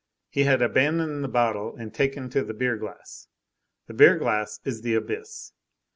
He had abandoned the bottle and taken to the beerglass. The beer glass is the abyss.